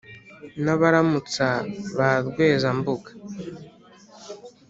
na baramutsa ba rweza mbuga,